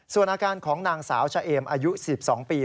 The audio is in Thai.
ส่วนอาการของนางสาวชะเอมอายุ๑๒ปี